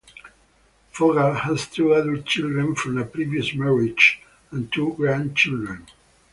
Fogal has two adult children from a previous marriage and two grandchildren.